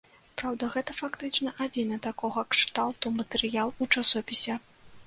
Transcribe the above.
Праўда, гэта фактычна адзіны такога кшталту матэрыял у часопісе.